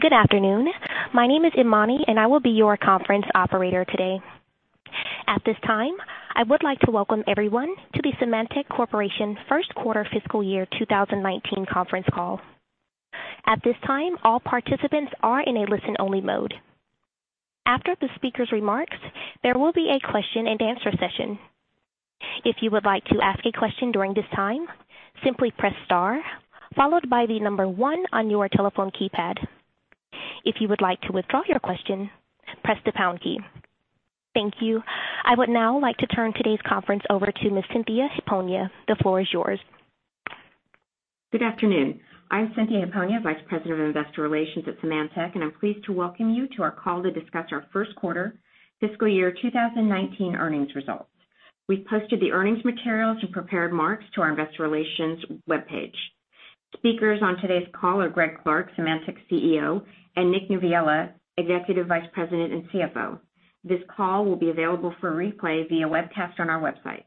Good afternoon. My name is Imani, and I will be your conference operator today. At this time, I would like to welcome everyone to the Symantec Corporation first quarter fiscal year 2019 conference call. At this time, all participants are in a listen-only mode. After the speakers' remarks, there will be a question-and-answer session. If you would like to ask a question during this time, simply press star followed by the number 1 on your telephone keypad. If you would like to withdraw your question, press the pound key. Thank you. I would now like to turn today's conference over to Ms. Cynthia Hiponia. The floor is yours. Good afternoon. I am Cynthia Hiponia, Vice President of Investor Relations at Symantec, and I am pleased to welcome you to our call to discuss our first quarter fiscal year 2019 earnings results. We have posted the earnings materials and prepared remarks to our investor relations webpage. Speakers on today's call are Greg Clark, Symantec's CEO, and Nick Noviello, Executive Vice President and CFO. This call will be available for replay via webcast on our website.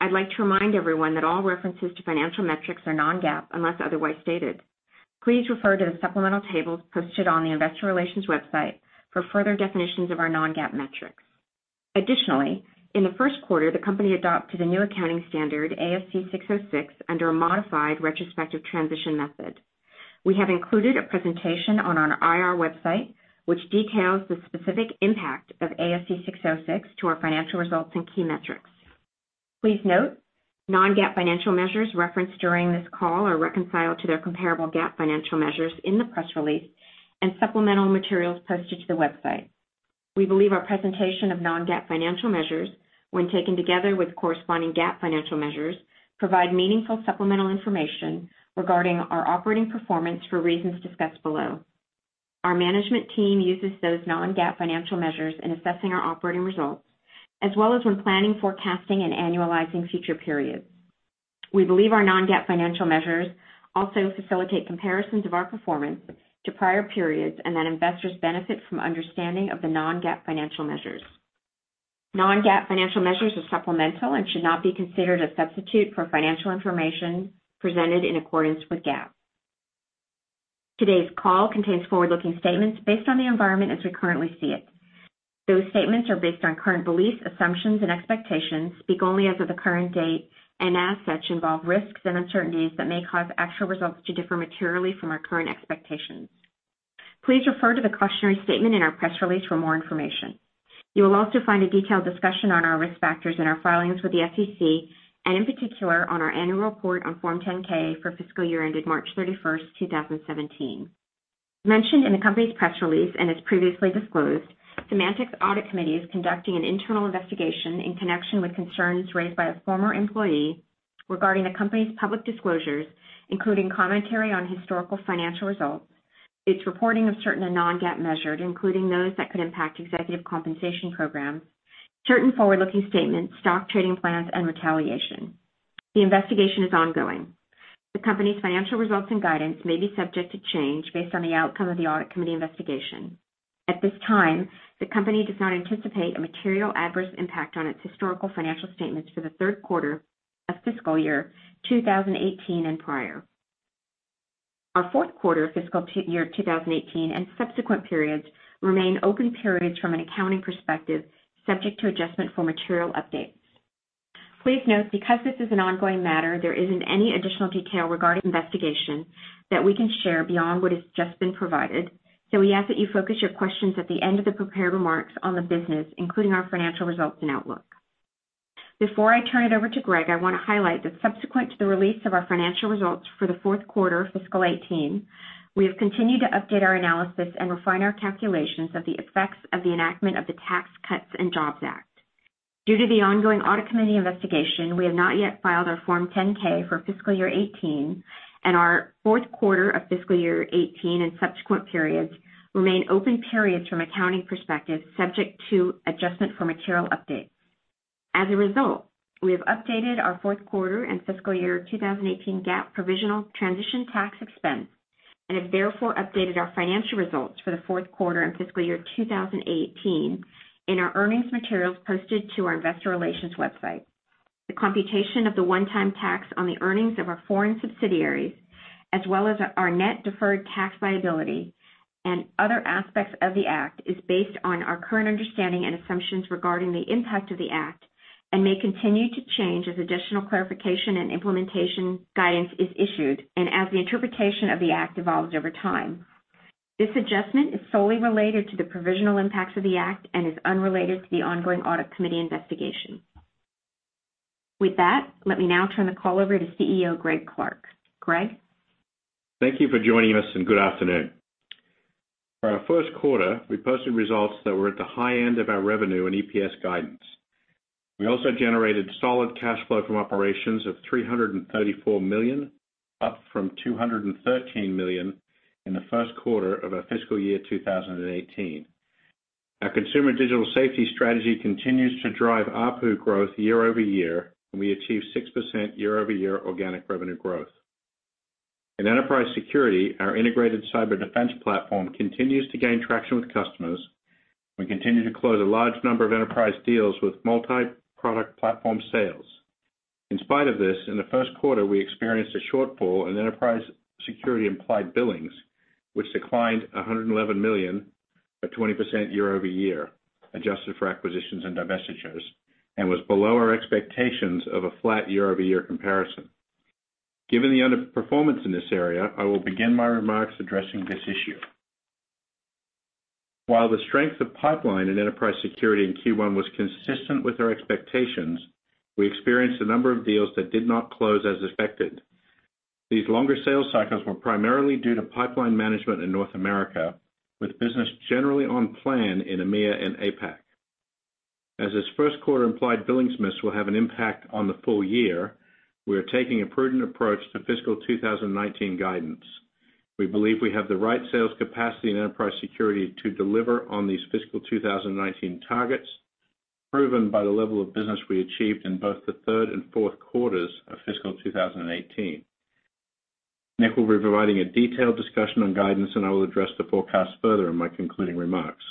I would like to remind everyone that all references to financial metrics are non-GAAP unless otherwise stated. Please refer to the supplemental tables posted on the investor relations website for further definitions of our non-GAAP metrics. Additionally, in the first quarter, the company adopted a new accounting standard, ASC 606, under a modified retrospective transition method. We have included a presentation on our IR website, which details the specific impact of ASC 606 to our financial results and key metrics. Please note non-GAAP financial measures referenced during this call are reconciled to their comparable GAAP financial measures in the press release and supplemental materials posted to the website. We believe our presentation of non-GAAP financial measures, when taken together with corresponding GAAP financial measures, provide meaningful supplemental information regarding our operating performance for reasons discussed below. Our management team uses those non-GAAP financial measures in assessing our operating results, as well as when planning, forecasting, and annualizing future periods. We believe our non-GAAP financial measures also facilitate comparisons of our performance to prior periods and that investors benefit from understanding of the non-GAAP financial measures. Non-GAAP financial measures are supplemental and should not be considered a substitute for financial information presented in accordance with GAAP. Today's call contains forward-looking statements based on the environment as we currently see it. Those statements are based on current beliefs, assumptions, and expectations, speak only as of the current date, and as such, involve risks and uncertainties that may cause actual results to differ materially from our current expectations. Please refer to the cautionary statement in our press release for more information. You will also find a detailed discussion on our risk factors in our filings with the SEC, and in particular, on our annual report on Form 10-K for fiscal year ended March 31st, 2017. Mentioned in the company's press release, and as previously disclosed, Symantec's Audit Committee is conducting an internal investigation in connection with concerns raised by a former employee regarding the company's public disclosures, including commentary on historical financial results, its reporting of certain non-GAAP measures, including those that could impact executive compensation programs, certain forward-looking statements, stock trading plans, and retaliation. The investigation is ongoing. The company's financial results and guidance may be subject to change based on the outcome of the Audit Committee investigation. At this time, the company does not anticipate a material adverse impact on its historical financial statements for the third quarter of fiscal year 2018 and prior. Our fourth quarter fiscal year 2018 and subsequent periods remain open periods from an accounting perspective, subject to adjustment for material updates. Please note, because this is an ongoing matter, there isn't any additional detail regarding the investigation that we can share beyond what has just been provided. We ask that you focus your questions at the end of the prepared remarks on the business, including our financial results and outlook. Before I turn it over to Greg, I want to highlight that subsequent to the release of our financial results for the fourth quarter FY 2018, we have continued to update our analysis and refine our calculations of the effects of the enactment of the Tax Cuts and Jobs Act. Due to the ongoing Audit Committee investigation, we have not yet filed our Form 10-K for FY 2018, and our fourth quarter of FY 2018 and subsequent periods remain open periods from accounting perspective subject to adjustment for material updates. As a result, we have updated our fourth quarter and fiscal year 2018 GAAP provisional transition tax expense and have therefore updated our financial results for the fourth quarter and fiscal year 2018 in our earnings materials posted to our investor relations website. The computation of the one-time tax on the earnings of our foreign subsidiaries, as well as our net deferred tax liability and other aspects of the Act, is based on our current understanding and assumptions regarding the impact of the Act and may continue to change as additional clarification and implementation guidance is issued and as the interpretation of the Act evolves over time. This adjustment is solely related to the provisional impacts of the Act and is unrelated to the ongoing Audit Committee investigation. With that, let me now turn the call over to CEO Greg Clark. Greg? Thank you for joining us, and good afternoon. For our first quarter, we posted results that were at the high end of our revenue and EPS guidance. We also generated solid cash flow from operations of $334 million, up from $213 million in the first quarter of our fiscal year 2018. Our Consumer Digital Safety strategy continues to drive ARPU growth year-over-year, and we achieved 6% year-over-year organic revenue growth. In enterprise security, our integrated cyber defense platform continues to gain traction with customers. We continue to close a large number of enterprise deals with multi-product platform sales. In spite of this, in the first quarter, we experienced a shortfall in enterprise security implied billings, which declined $111 million, or 20% year-over-year, adjusted for acquisitions and divestitures, and was below our expectations of a flat year-over-year comparison. Given the underperformance in this area, I will begin my remarks addressing this issue. While the strength of pipeline in enterprise security in Q1 was consistent with our expectations, we experienced a number of deals that did not close as expected. These longer sales cycles were primarily due to pipeline management in North America, with business generally on plan in EMEA and APAC. As this first quarter implied billings miss will have an impact on the full year, we are taking a prudent approach to fiscal 2019 guidance. We believe we have the right sales capacity in enterprise security to deliver on these fiscal 2019 targets, proven by the level of business we achieved in both the third and fourth quarters of fiscal 2018. Nick will be providing a detailed discussion on guidance, and I will address the forecast further in my concluding remarks.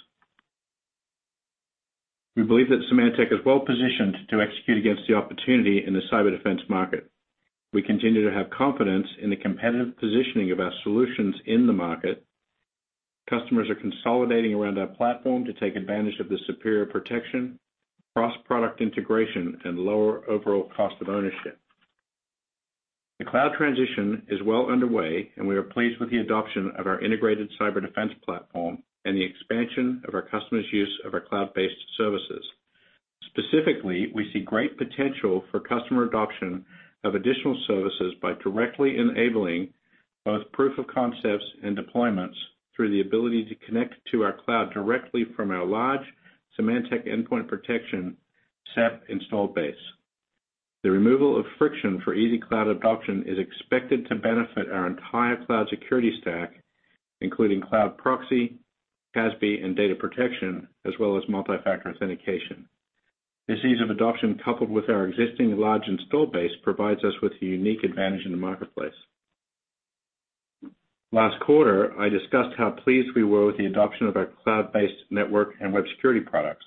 We believe that Symantec is well-positioned to execute against the opportunity in the cyber defense market. We continue to have confidence in the competitive positioning of our solutions in the market. Customers are consolidating around our platform to take advantage of the superior protection, cross-product integration, and lower overall cost of ownership. The cloud transition is well underway, and we are pleased with the adoption of our integrated cyber defense platform and the expansion of our customers' use of our cloud-based services. Specifically, we see great potential for customer adoption of additional services by directly enabling both proof of concepts and deployments through the ability to connect to our cloud directly from our large Symantec Endpoint Protection, SEP, installed base. The removal of friction for easy cloud adoption is expected to benefit our entire cloud security stack, including cloud proxy, CASB, and data protection, as well as multi-factor authentication. This ease of adoption, coupled with our existing large installed base, provides us with a unique advantage in the marketplace. Last quarter, I discussed how pleased we were with the adoption of our cloud-based network and web security products.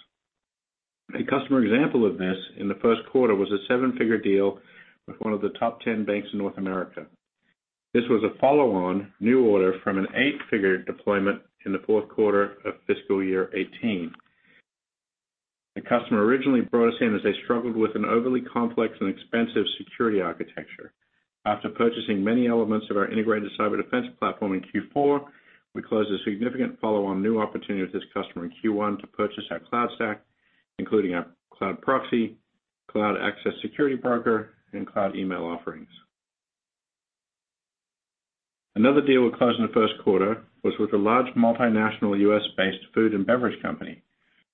A customer example of this in the first quarter was a seven-figure deal with one of the top 10 banks in North America. This was a follow-on new order from an eight-figure deployment in the fourth quarter of fiscal year 2018. The customer originally brought us in as they struggled with an overly complex and expensive security architecture. After purchasing many elements of our integrated cyber defense platform in Q4, we closed a significant follow-on new opportunity with this customer in Q1 to purchase our cloud stack, including our cloud proxy, cloud access security broker, and cloud email offerings. Another deal we closed in the first quarter was with a large multinational U.S.-based food and beverage company,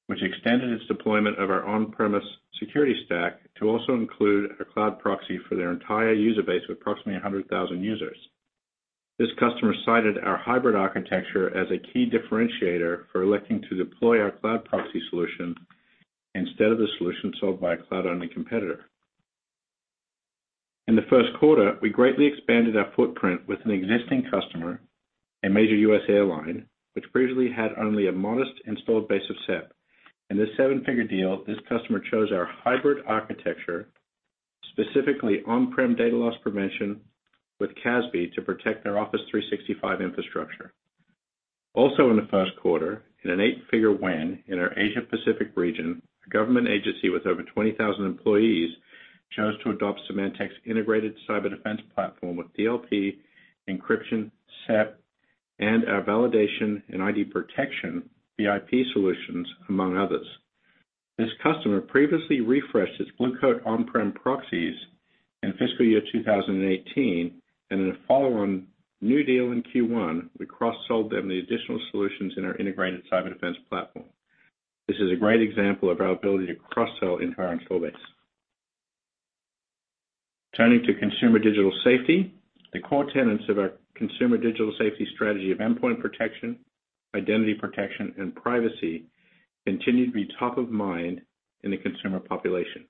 which extended its deployment of our on-premise security stack to also include a cloud proxy for their entire user base of approximately 100,000 users. This customer cited our hybrid architecture as a key differentiator for electing to deploy our cloud proxy solution instead of the solution sold by a cloud-only competitor. In the first quarter, we greatly expanded our footprint with an existing customer, a major U.S. airline, which previously had only a modest installed base of SEP. In this seven-figure deal, this customer chose our hybrid architecture, specifically on-prem data loss prevention with CASB, to protect their Office 365 infrastructure. Also in the first quarter, in an eight-figure win in our Asia Pacific region, a government agency with over 20,000 employees chose to adopt Symantec's integrated cyber defense platform with DLP, encryption, SEP, and our validation and ID protection, VIP solutions, among others. This customer previously refreshed its Blue Coat on-prem proxies in fiscal year 2018, and in a follow-on new deal in Q1, we cross-sold them the additional solutions in our integrated cyber defense platform. This is a great example of our ability to cross-sell into our installed base. Turning to Consumer Digital Safety, the core tenants of our Consumer Digital Safety strategy of endpoint protection, identity protection, and privacy continue to be top of mind in the consumer population.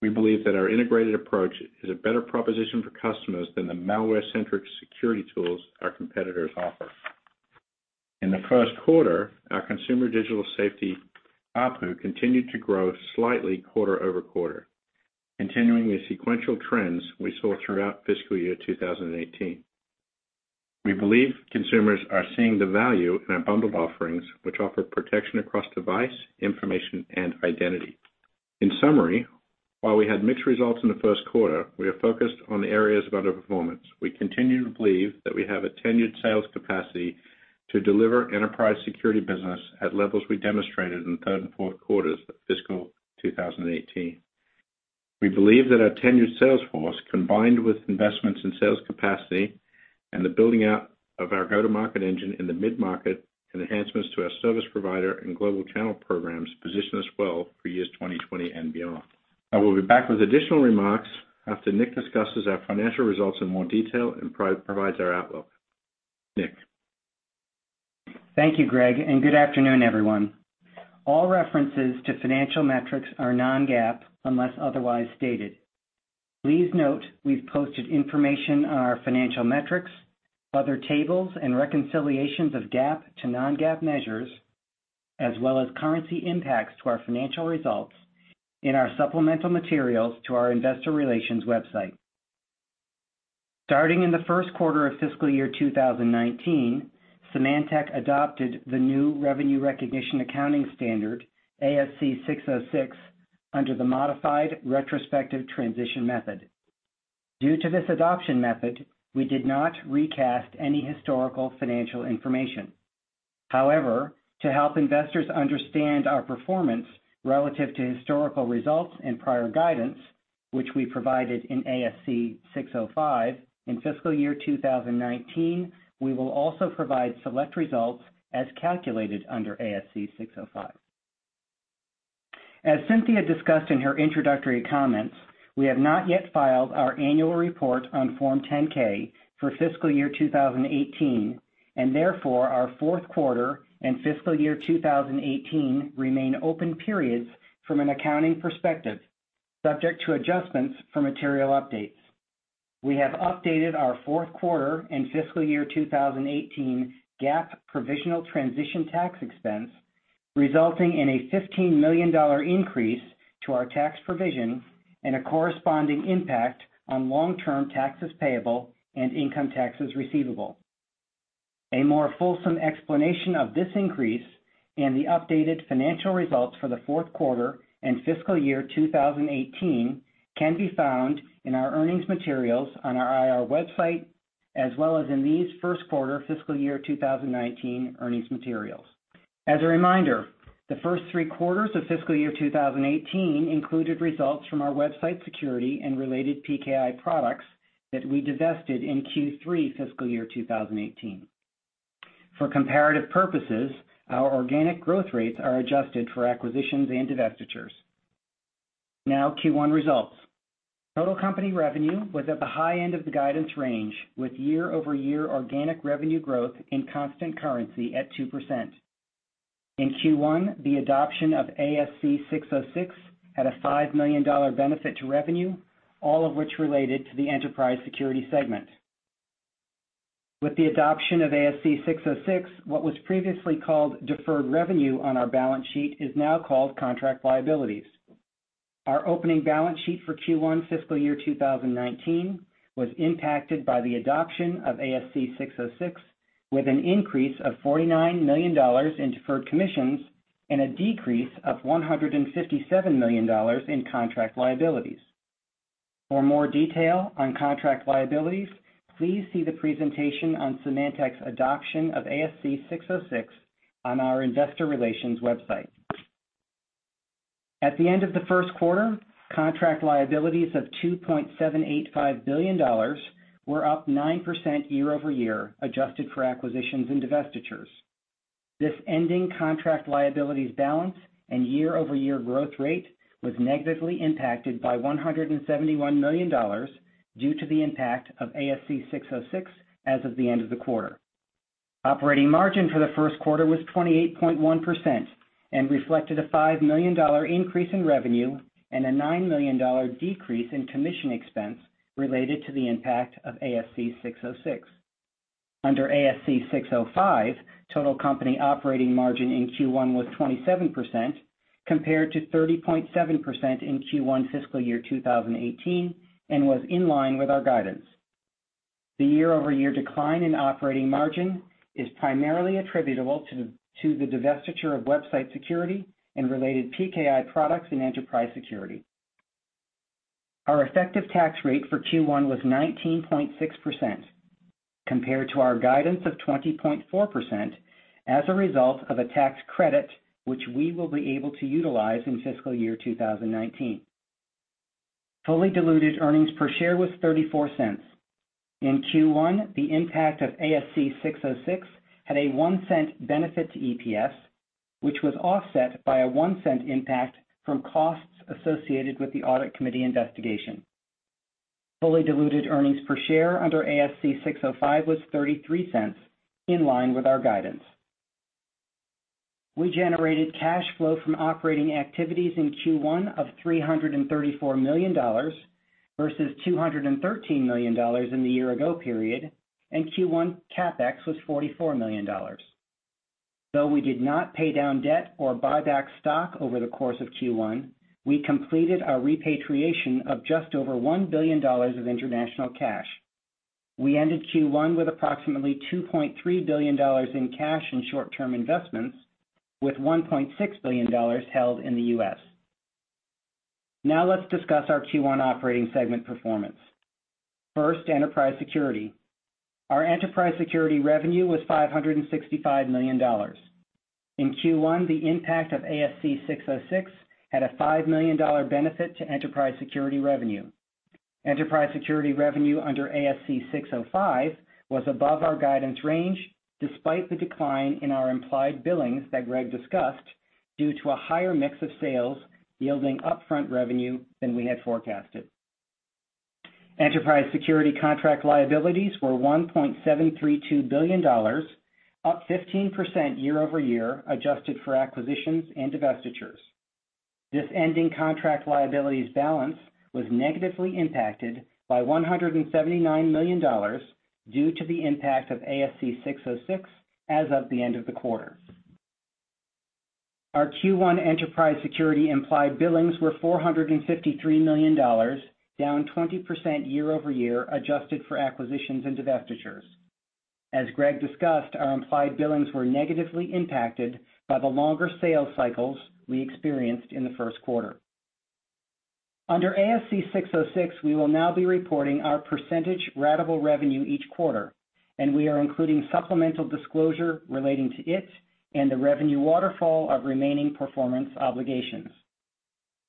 We believe that our integrated approach is a better proposition for customers than the malware-centric security tools our competitors offer. In the first quarter, our Consumer Digital Safety ARPU continued to grow slightly quarter-over-quarter, continuing the sequential trends we saw throughout fiscal year 2018. We believe consumers are seeing the value in our bundled offerings, which offer protection across device, information, and identity. In summary, while we had mixed results in the first quarter, we are focused on the areas of underperformance. We continue to believe that we have a tenured sales capacity to deliver enterprise security business at levels we demonstrated in the third and fourth quarters of fiscal 2018. We believe that our tenured sales force, combined with investments in sales capacity and the building out of our go-to-market engine in the mid-market, and enhancements to our service provider and global channel programs, position us well for years 2020 and beyond. I will be back with additional remarks after Nick discusses our financial results in more detail and provides our outlook. Nick Thank you, Greg, and good afternoon, everyone. All references to financial metrics are non-GAAP unless otherwise stated. Please note we've posted information on our financial metrics, other tables and reconciliations of GAAP to non-GAAP measures, as well as currency impacts to our financial results in our supplemental materials to our investor relations website. Starting in the first quarter of fiscal year 2019, Symantec adopted the new revenue recognition accounting standard, ASC 606, under the modified retrospective transition method. Due to this adoption method, we did not recast any historical financial information. However, to help investors understand our performance relative to historical results and prior guidance, which we provided in ASC 605, in fiscal year 2019, we will also provide select results as calculated under ASC 605. As Cynthia discussed in her introductory comments, we have not yet filed our annual report on Form 10-K for fiscal year 2018. Therefore, our fourth quarter and fiscal year 2018 remain open periods from an accounting perspective, subject to adjustments for material updates. We have updated our fourth quarter and fiscal year 2018 GAAP provisional transition tax expense, resulting in a $15 million increase to our tax provision and a corresponding impact on long-term taxes payable and income taxes receivable. A more fulsome explanation of this increase and the updated financial results for the fourth quarter and fiscal year 2018 can be found in our earnings materials on our IR website, as well as in these first quarter fiscal year 2019 earnings materials. As a reminder, the first three quarters of fiscal year 2018 included results from our website security and related PKI products that we divested in Q3 fiscal year 2018. For comparative purposes, our organic growth rates are adjusted for acquisitions and divestitures. Now, Q1 results. Total company revenue was at the high end of the guidance range, with year-over-year organic revenue growth in constant currency at 2%. In Q1, the adoption of ASC 606 had a $5 million benefit to revenue, all of which related to the Enterprise Security segment. With the adoption of ASC 606, what was previously called deferred revenue on our balance sheet is now called contract liabilities. Our opening balance sheet for Q1 fiscal year 2019 was impacted by the adoption of ASC 606, with an increase of $49 million in deferred commissions and a decrease of $157 million in contract liabilities. For more detail on contract liabilities, please see the presentation on Symantec's adoption of ASC 606 on our investor relations website. At the end of the first quarter, contract liabilities of $2.785 billion were up 9% year-over-year, adjusted for acquisitions and divestitures. This ending contract liabilities balance and year-over-year growth rate was negatively impacted by $171 million due to the impact of ASC 606 as of the end of the quarter. Operating margin for the first quarter was 28.1% and reflected a $5 million increase in revenue and a $9 million decrease in commission expense related to the impact of ASC 606. Under ASC 605, total company operating margin in Q1 was 27%, compared to 30.7% in Q1 fiscal year 2018, and was in line with our guidance. The year-over-year decline in operating margin is primarily attributable to the divestiture of website security and related PKI products in Enterprise Security. Our effective tax rate for Q1 was 19.6%, compared to our guidance of 20.4%, as a result of a tax credit which we will be able to utilize in fiscal year 2019. Fully diluted EPS was $0.34. In Q1, the impact of ASC 606 had a $0.01 benefit to EPS, which was offset by a $0.01 impact from costs associated with the Audit Committee investigation. Fully diluted EPS under ASC 605 was $0.33, in line with our guidance. We generated cash flow from operating activities in Q1 of $334 million versus $213 million in the year ago period, and Q1 CapEx was $44 million. Though we did not pay down debt or buy back stock over the course of Q1, we completed our repatriation of just over $1 billion of international cash. We ended Q1 with approximately $2.3 billion in cash and short-term investments, with $1.6 billion held in the U.S. Now let's discuss our Q1 operating segment performance. First, Enterprise Security. Our Enterprise Security revenue was $565 million. In Q1, the impact of ASC 606 had a $5 million benefit to Enterprise Security revenue. Enterprise Security revenue under ASC 605 was above our guidance range, despite the decline in our implied billings that Greg discussed, due to a higher mix of sales yielding upfront revenue than we had forecasted. Enterprise Security contract liabilities were $1.732 billion, up 15% year-over-year, adjusted for acquisitions and divestitures. This ending contract liabilities balance was negatively impacted by $179 million due to the impact of ASC 606 as of the end of the quarter. Our Q1 Enterprise Security implied billings were $453 million, down 20% year-over-year, adjusted for acquisitions and divestitures. As Greg discussed, our implied billings were negatively impacted by the longer sales cycles we experienced in the first quarter. Under ASC 606, we will now be reporting our percentage ratable revenue each quarter, and we are including supplemental disclosure relating to it and the revenue waterfall of remaining performance obligations.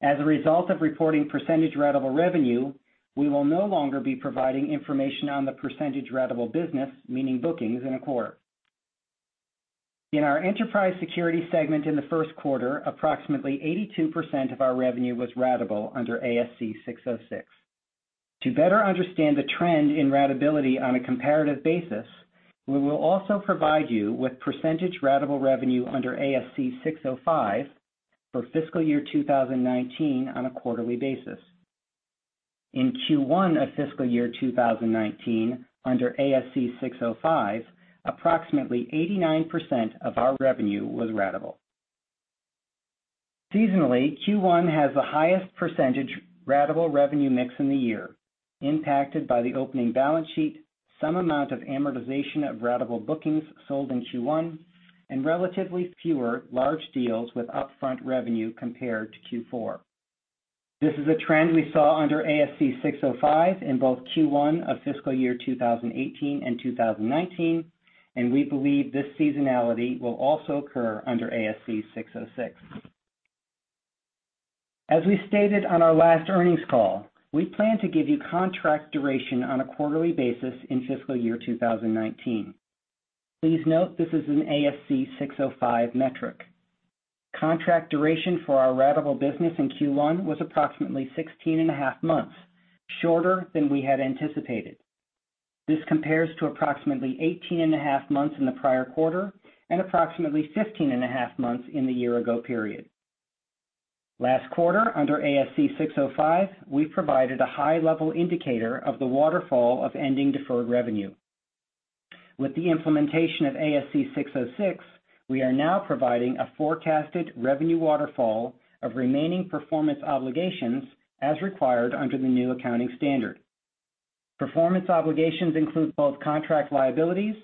As a result of reporting percentage ratable revenue, we will no longer be providing information on the percentage ratable business, meaning bookings in a quarter. In our Enterprise Security segment in the first quarter, approximately 82% of our revenue was ratable under ASC 606. To better understand the trend in ratability on a comparative basis, we will also provide you with percentage ratable revenue under ASC 605 for fiscal year 2019 on a quarterly basis. In Q1 of fiscal year 2019, under ASC 605, approximately 89% of our revenue was ratable. Seasonally, Q1 has the highest percentage ratable revenue mix in the year, impacted by the opening balance sheet, some amount of amortization of ratable bookings sold in Q1, and relatively fewer large deals with upfront revenue compared to Q4. This is a trend we saw under ASC 605 in both Q1 of fiscal year 2018 and 2019, and we believe this seasonality will also occur under ASC 606. As we stated on our last earnings call, we plan to give you contract duration on a quarterly basis in fiscal year 2019. Please note this is an ASC 605 metric. Contract duration for our ratable business in Q1 was approximately 16 and a half months, shorter than we had anticipated. This compares to approximately 18 and a half months in the prior quarter and approximately 15 and a half months in the year-ago period. Last quarter, under ASC 605, we provided a high-level indicator of the waterfall of ending deferred revenue. With the implementation of ASC 606, we are now providing a forecasted revenue waterfall of remaining performance obligations as required under the new accounting standard. Performance obligations include both contract liabilities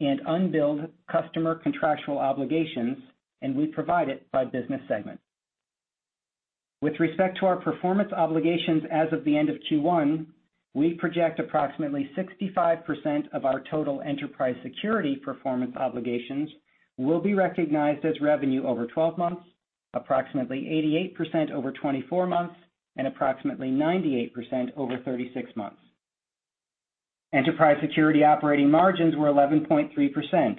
and unbilled customer contractual obligations, and we provide it by business segment. With respect to our performance obligations as of the end of Q1, we project approximately 65% of our total Enterprise Security performance obligations will be recognized as revenue over 12 months, approximately 88% over 24 months, and approximately 98% over 36 months. Enterprise Security operating margins were 11.3%.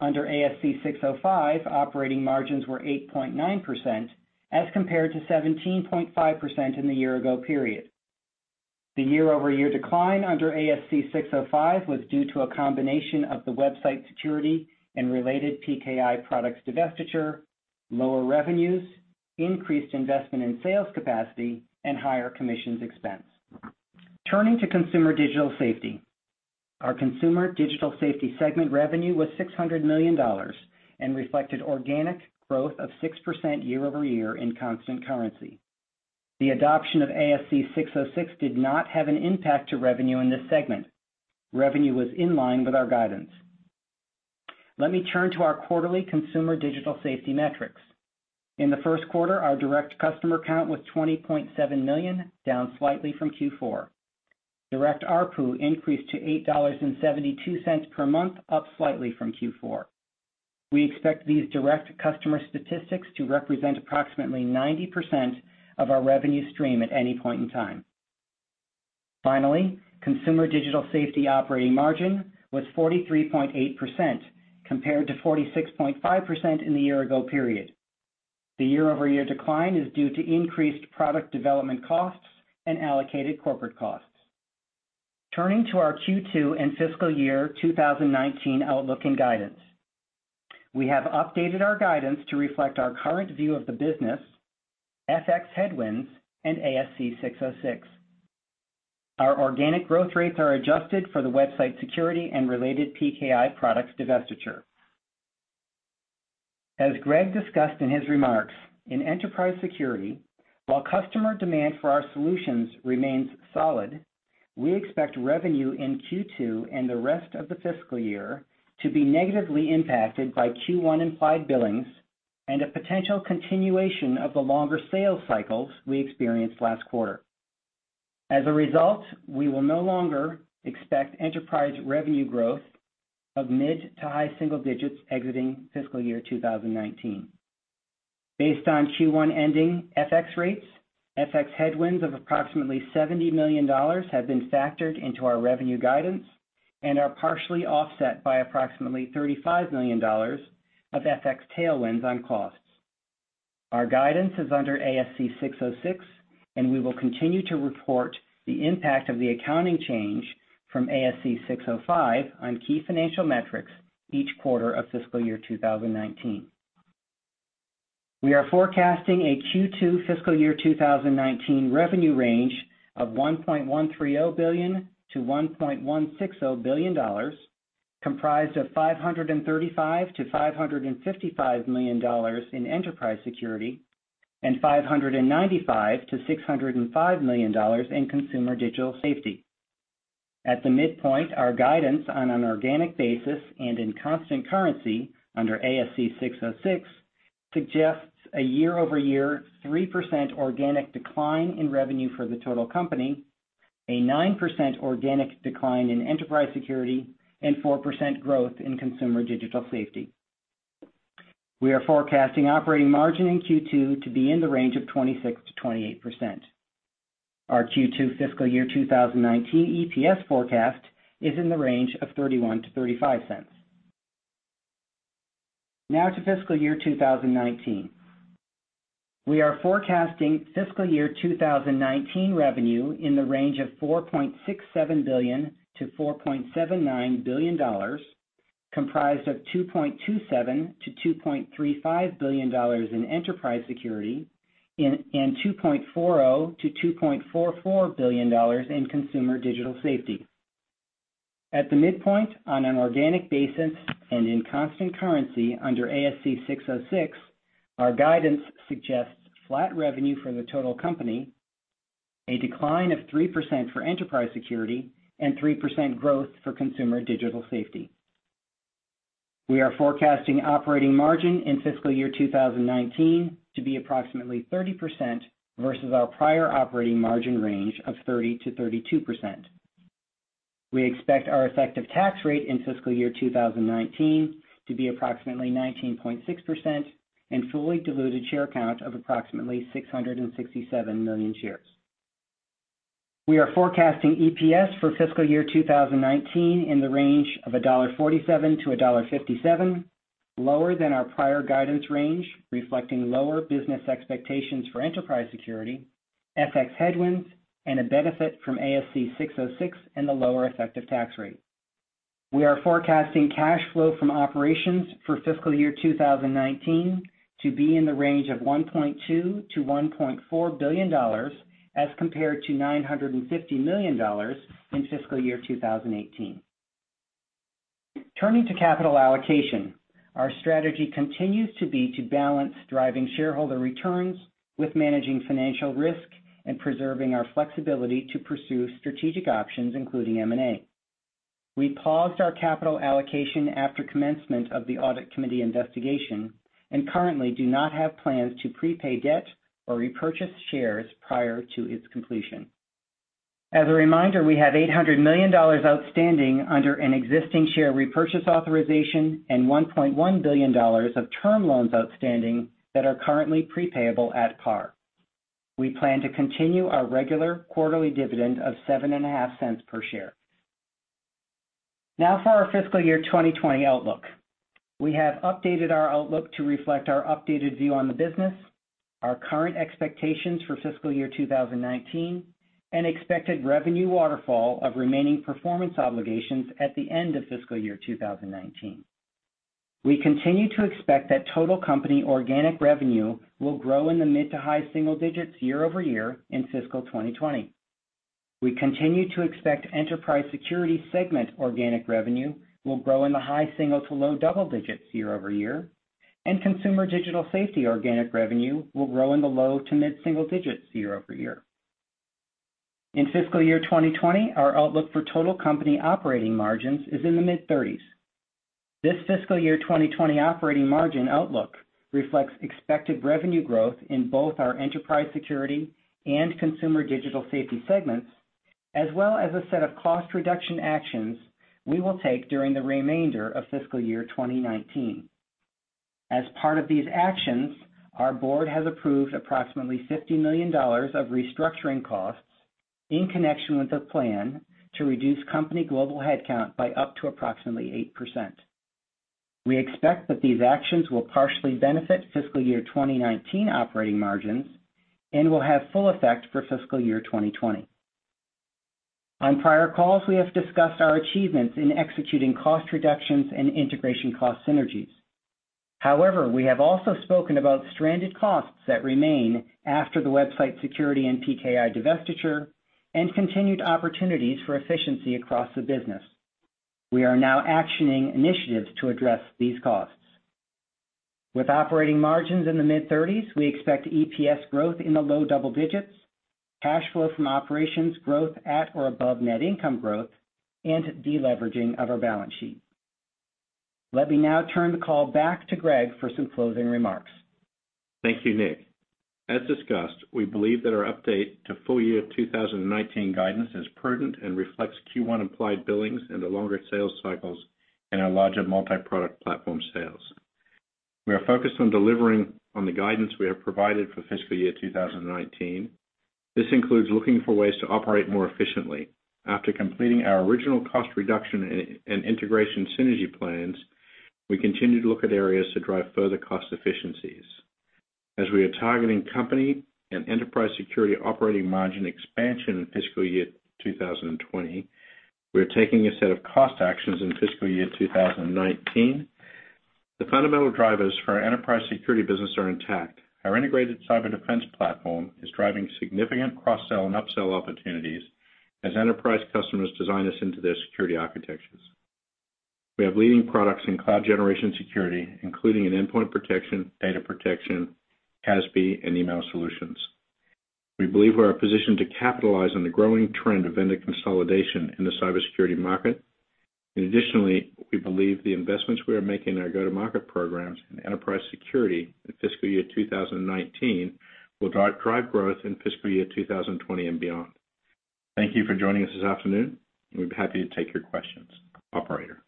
Under ASC 605, operating margins were 8.9%, as compared to 17.5% in the year-ago period. The year-over-year decline under ASC 605 was due to a combination of the website security and related PKI products divestiture, lower revenues, increased investment in sales capacity, and higher commissions expense. Turning to Consumer Digital Safety. Our Consumer Digital Safety segment revenue was $600 million and reflected organic growth of 6% year-over-year in constant currency. The adoption of ASC 606 did not have an impact to revenue in this segment. Revenue was in line with our guidance. Let me turn to our quarterly Consumer Digital Safety metrics. In the first quarter, our direct customer count was 20.7 million, down slightly from Q4. Direct ARPU increased to $8.72 per month, up slightly from Q4. We expect these direct customer statistics to represent approximately 90% of our revenue stream at any point in time. Finally, Consumer Digital Safety operating margin was 43.8%, compared to 46.5% in the year-ago period. The year-over-year decline is due to increased product development costs and allocated corporate costs. Turning to our Q2 and fiscal year 2019 outlook and guidance. We have updated our guidance to reflect our current view of the business, FX headwinds, and ASC 606. Our organic growth rates are adjusted for the website security and related PKI products divestiture. As Greg discussed in his remarks, in Enterprise Security, while customer demand for our solutions remains solid, we expect revenue in Q2 and the rest of the fiscal year to be negatively impacted by Q1 implied billings and a potential continuation of the longer sales cycles we experienced last quarter. As a result, we will no longer expect enterprise revenue growth of mid to high single digits exiting fiscal year 2019. Based on Q1 ending FX rates, FX headwinds of approximately $70 million have been factored into our revenue guidance and are partially offset by approximately $35 million of FX tailwinds on costs. Our guidance is under ASC 606, and we will continue to report the impact of the accounting change from ASC 605 on key financial metrics each quarter of fiscal year 2019. We are forecasting a Q2 fiscal year 2019 revenue range of $1.130 billion to $1.160 billion, comprised of $535 million to $555 million in Enterprise Security and $595 million to $605 million in Consumer Digital Safety. At the midpoint, our guidance on an organic basis and in constant currency under ASC 606 suggests a year-over-year 3% organic decline in revenue for the total company, a 9% organic decline in Enterprise Security, and 4% growth in Consumer Digital Safety. We are forecasting operating margin in Q2 to be in the range of 26%-28%. Our Q2 fiscal year 2019 EPS forecast is in the range of $0.31 to $0.35. Now to fiscal year 2019. We are forecasting fiscal year 2019 revenue in the range of $4.67 billion to $4.79 billion, comprised of $2.27 billion to $2.35 billion in Enterprise Security and $2.40 billion to $2.44 billion in Consumer Digital Safety. At the midpoint, on an organic basis and in constant currency under ASC 606, our guidance suggests flat revenue for the total company, a decline of 3% for Enterprise Security, and 3% growth for Consumer Digital Safety. We are forecasting operating margin in fiscal year 2019 to be approximately 30% versus our prior operating margin range of 30%-32%. We expect our effective tax rate in FY 2019 to be approximately 19.6% and fully diluted share count of approximately 667 million shares. We are forecasting EPS for FY 2019 in the range of $1.47-$1.57, lower than our prior guidance range, reflecting lower business expectations for Enterprise Security, FX headwinds, and a benefit from ASC 606 and the lower effective tax rate. We are forecasting cash flow from operations for FY 2019 to be in the range of $1.2 billion-$1.4 billion as compared to $950 million in FY 2018. Turning to capital allocation, our strategy continues to be to balance driving shareholder returns with managing financial risk and preserving our flexibility to pursue strategic options, including M&A. We paused our capital allocation after commencement of the Audit Committee investigation and currently do not have plans to prepay debt or repurchase shares prior to its completion. As a reminder, we have $800 million outstanding under an existing share repurchase authorization and $1.1 billion of term loans outstanding that are currently prepayable at par. We plan to continue our regular quarterly dividend of $0.075 per share. Now for our FY 2020 outlook. We have updated our outlook to reflect our updated view on the business, our current expectations for FY 2019, and expected revenue waterfall of remaining performance obligations at the end of FY 2019. We continue to expect that total company organic revenue will grow in the mid to high single digits year over year in FY 2020. We continue to expect Enterprise Security segment organic revenue will grow in the high single to low double digits year over year, and Consumer Digital Safety organic revenue will grow in the low to mid single digits year over year. In FY 2020, our outlook for total company operating margins is in the mid-30s. This FY 2020 operating margin outlook reflects expected revenue growth in both our Enterprise Security and Consumer Digital Safety segments, as well as a set of cost reduction actions we will take during the remainder of FY 2019. As part of these actions, our board has approved approximately $50 million of restructuring costs in connection with a plan to reduce company global headcount by up to approximately 8%. We expect that these actions will partially benefit FY 2019 operating margins and will have full effect for FY 2020. On prior calls, we have discussed our achievements in executing cost reductions and integration cost synergies. However, we have also spoken about stranded costs that remain after the website security and PKI divestiture and continued opportunities for efficiency across the business. We are now actioning initiatives to address these costs. With operating margins in the mid-30s, we expect EPS growth in the low double digits, cash flow from operations growth at or above net income growth, and deleveraging of our balance sheet. Let me now turn the call back to Greg for some closing remarks. Thank you, Nick. As discussed, we believe that our update to full year 2019 guidance is prudent and reflects Q1 implied billings and the longer sales cycles in our larger multi-product platform sales. We are focused on delivering on the guidance we have provided for fiscal year 2019. This includes looking for ways to operate more efficiently. After completing our original cost reduction and integration synergy plans, we continue to look at areas to drive further cost efficiencies. As we are targeting company and Enterprise Security operating margin expansion in fiscal year 2020, we are taking a set of cost actions in fiscal year 2019. The fundamental drivers for our Enterprise Security business are intact. Our integrated cyber defense platform is driving significant cross-sell and upsell opportunities as enterprise customers design us into their security architectures. We have leading products in cloud generation security, including an endpoint protection, data protection, CASB, and email solutions. We believe we are positioned to capitalize on the growing trend of vendor consolidation in the cybersecurity market. Additionally, we believe the investments we are making in our go-to-market programs in Enterprise Security in fiscal year 2019 will drive growth in fiscal year 2020 and beyond. Thank you for joining us this afternoon. We'd be happy to take your questions. Operator.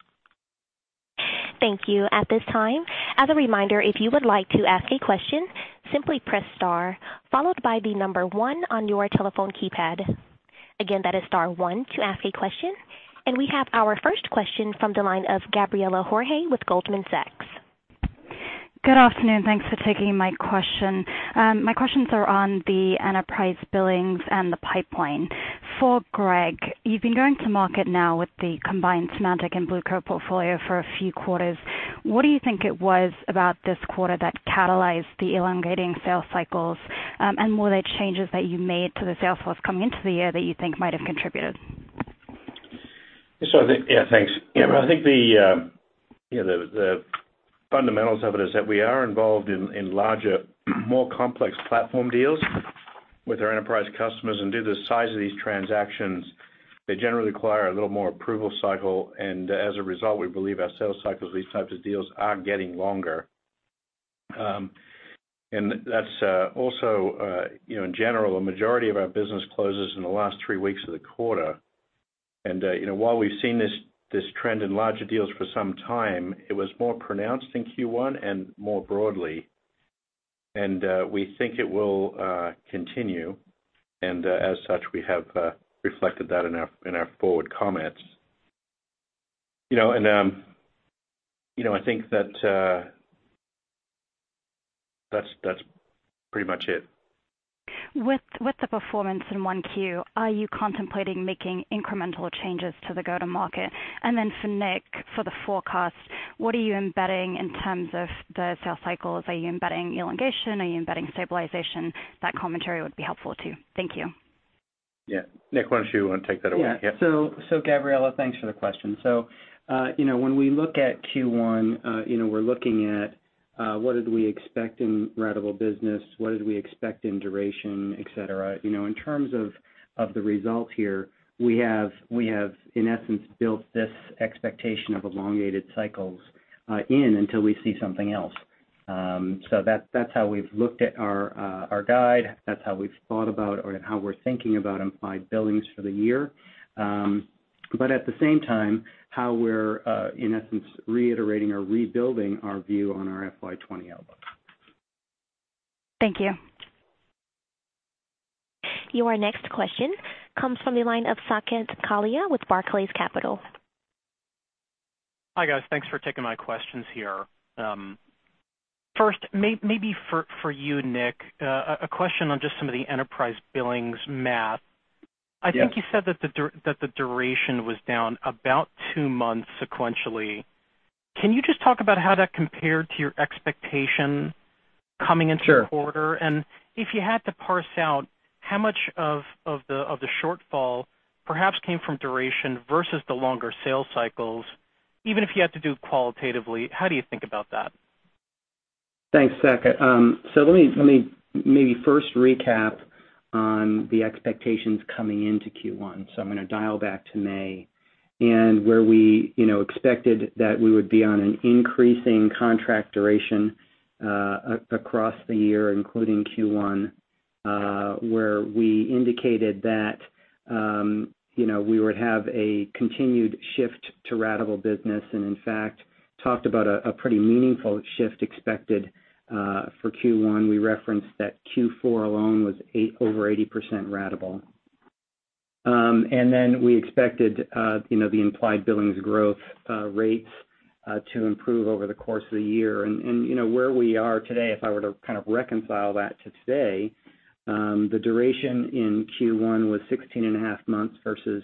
Thank you. At this time, as a reminder, if you would like to ask a question, simply press star followed by the number 1 on your telephone keypad. Again, that is star one to ask a question. We have our first question from the line of Gabriela Borges with Goldman Sachs. Good afternoon. Thanks for taking my question. My questions are on the enterprise billings and the pipeline. For Greg, you've been going to market now with the combined Symantec and Blue Coat portfolio for a few quarters. What do you think it was about this quarter that catalyzed the elongating sales cycles? Were there changes that you made to the sales force coming into the year that you think might have contributed? Thanks. I think the fundamentals of it is that we are involved in larger, more complex platform deals with our enterprise customers. Due to the size of these transactions, they generally require a little more approval cycle, and as a result, we believe our sales cycles for these types of deals are getting longer. That's also, in general, a majority of our business closes in the last three weeks of the quarter. While we've seen this trend in larger deals for some time, it was more pronounced in Q1 and more broadly, and we think it will continue. As such, we have reflected that in our forward comments. I think that's pretty much it. With the performance in one Q, are you contemplating making incremental changes to the go-to-market? For Nick, for the forecast, what are you embedding in terms of the sales cycles? Are you embedding elongation? Are you embedding stabilization? That commentary would be helpful, too. Thank you. Nick, why don't you take that away? Gabriela, thanks for the question. When we look at Q1, we're looking at what did we expect in ratable business, what did we expect in duration, et cetera. In terms of the results here, we have, in essence, built this expectation of elongated cycles in until we see something else. That's how we've looked at our guide, that's how we've thought about or how we're thinking about implied billings for the year. At the same time, how we're, in essence, reiterating or rebuilding our view on our FY 2020 outlook. Thank you. Your next question comes from the line of Saket Kalia with Barclays Capital. Hi, guys. Thanks for taking my questions here. First, maybe for you, Nick, a question on just some of the enterprise billings math. Yeah. I think you said that the duration was down about two months sequentially. Can you just talk about how that compared to your expectation. Sure the quarter? If you had to parse out how much of the shortfall perhaps came from duration versus the longer sales cycles, even if you had to do it qualitatively, how do you think about that? Thanks, Saket. Let me maybe first recap on the expectations coming into Q1. I'm going to dial back to May and where we expected that we would be on an increasing contract duration across the year, including Q1, where we indicated that we would have a continued shift to ratable business and, in fact, talked about a pretty meaningful shift expected for Q1. We referenced that Q4 alone was over 80% ratable. We expected the implied billings growth rates to improve over the course of the year. Where we are today, if I were to kind of reconcile that to today, the duration in Q1 was 16.5 months versus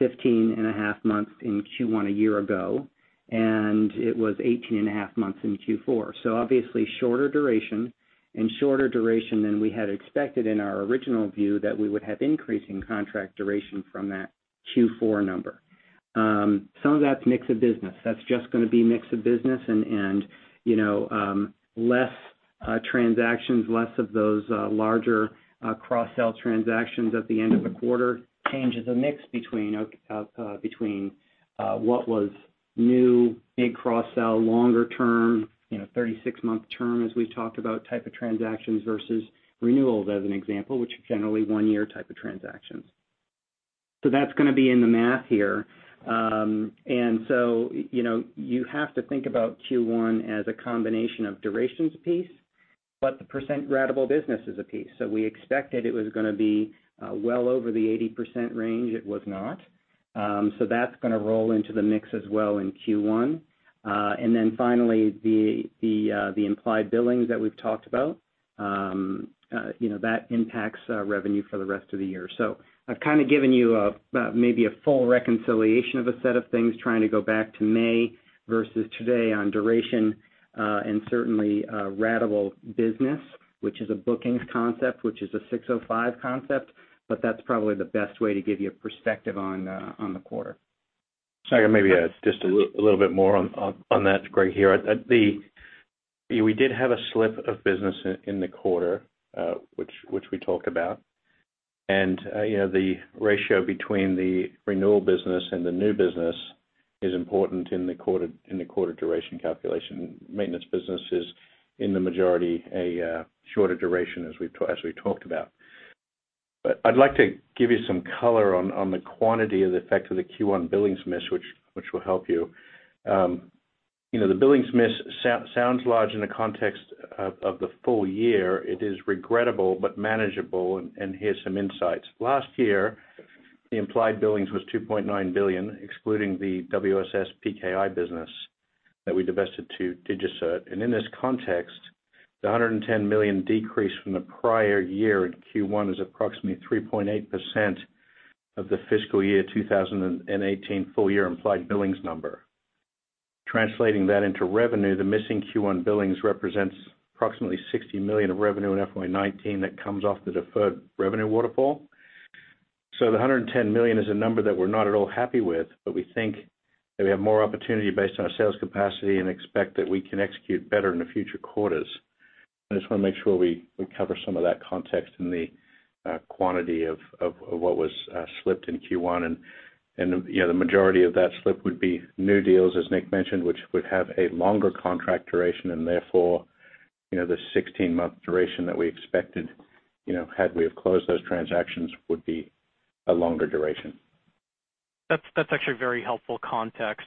15.5 months in Q1 a year ago, and it was 18.5 months in Q4. Obviously, shorter duration and shorter duration than we had expected in our original view that we would have increasing contract duration from that Q4 number. Some of that's mix of business. That's just going to be mix of business and less transactions, less of those larger cross-sell transactions at the end of the quarter changes the mix between what was new big cross-sell longer term, 36-month term, as we've talked about, type of transactions versus renewals, as an example, which are generally one-year type of transactions. That's going to be in the math here. You have to think about Q1 as a combination of durations piece, but the percent ratable business is a piece. We expected it was going to be well over the 80% range. It was not. That's going to roll into the mix as well in Q1. Finally, the implied billings that we've talked about, that impacts revenue for the rest of the year. I've kind of given you maybe a full reconciliation of a set of things, trying to go back to May versus today on duration, and certainly ratable business, which is a bookings concept, which is an ASC 605 concept, but that's probably the best way to give you a perspective on the quarter. Sorry, maybe just a little bit more on that, Greg. We did have a slip of business in the quarter, which we talked about. The ratio between the renewal business and the new business is important in the quarter duration calculation. Maintenance business is, in the majority, a shorter duration as we talked about. I'd like to give you some color on the quantity of the effect of the Q1 billings miss, which will help you. The billings miss sounds large in the context of the full year. It is regrettable but manageable. Here's some insights. Last year, the implied billings was $2.9 billion, excluding the WSS PKI business that we divested to DigiCert. In this context, the $110 million decrease from the prior year in Q1 is approximately 3.8% of the fiscal year 2018 full-year implied billings number. Translating that into revenue, the missing Q1 billings represents approximately $60 million of revenue in FY 2019 that comes off the deferred revenue waterfall. The $110 million is a number that we're not at all happy with, but we think that we have more opportunity based on our sales capacity and expect that we can execute better in the future quarters. I just want to make sure we cover some of that context in the quantity of what was slipped in Q1. The majority of that slip would be new deals, as Nick mentioned, which would have a longer contract duration, and therefore, the 16-month duration that we expected had we have closed those transactions would be a longer duration. That's actually very helpful context.